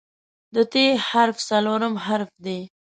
د "ت" حرف څلورم حرف دی.